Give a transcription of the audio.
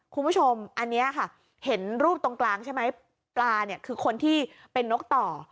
คุณผู้ชมอันนี้ค่ะเห็นรูปตรงกลางใช่ไหมปลาเนี่ยคือคนที่เป็นนกต่อ